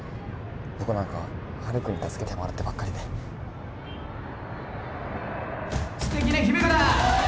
僕なんかハルくんに助けてもらってばっかりで素敵な姫からおい！